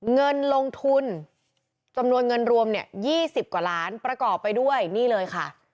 เงินลงทุนจำนวนเงินรวมเนี่ย๒๐กว่าล้านประกอบไปด้วยนี่เลยค่ะ